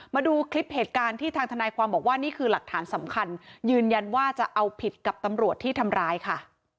มาดูคลิปเหตุการณ์ที่ทางทนายความบอกว่านี่คือหลักฐานสำคัญยืนยันว่าจะเอาผิดกับตำรวจที่ทำร้ายค่ะ